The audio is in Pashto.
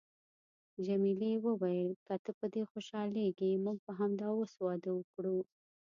جميلې وويل: که ته په دې خوشحالیږې، موږ به همدا اوس واده وکړو.